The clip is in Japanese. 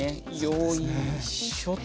よいしょと。